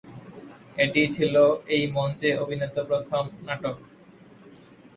এটিই ছিল এই মঞ্চে অভিনীত প্রথম নাটক।